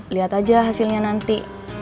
lihat aja hasilnya nanti